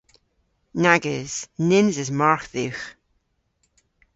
Nag eus. Nyns eus margh dhywgh.